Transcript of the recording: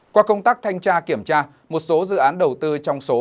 qua công tác thanh tra kiểm tra một số dự án đầu tư trong số